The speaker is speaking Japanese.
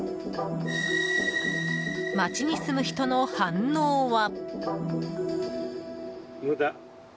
町に住む人の反応は。